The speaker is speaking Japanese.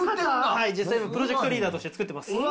はい、実際プロジェクトリーダーとして作ってます。